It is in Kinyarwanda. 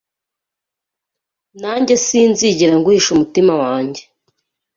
Nanjye Sinzigera nguhisha umutima wanjye